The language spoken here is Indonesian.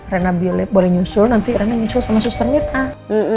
renna beli boleh nyusul nanti renna nyusul sama susternya nah